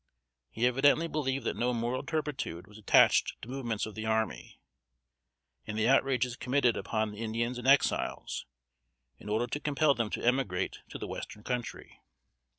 He evidently believed that no moral turpitude was attached to movements of the army, and the outrages committed upon the Indians and Exiles, in order to compel them to emigrate to the western country.